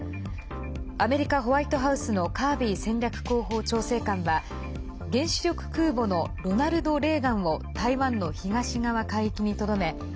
アメリカ・ホワイトハウスのカービー戦略広報調整官は原子力空母の「ロナルド・レーガン」を台湾の東側海域にとどめ